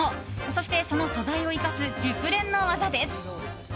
そして、その素材を生かす熟練の技です。